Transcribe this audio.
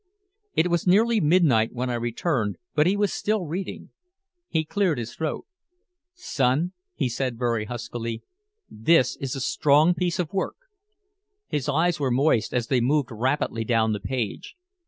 It was nearly midnight when I returned, but he was still reading. He cleared his throat. "Son," he said very huskily, "this is a strong piece of work!" His eyes were moist as they moved rapidly down the page.